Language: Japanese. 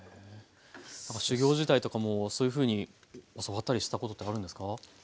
修業時代とかもそういうふうに教わったりしたことってあるんですか？